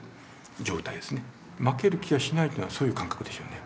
負ける気がしないというのはそういう感覚でしょうね。